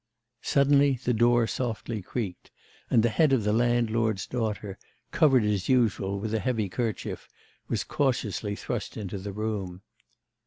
Suddenly the door softly creaked, and the head of the landlord's daughter, covered as usual with a heavy kerchief, was cautiously thrust into the room.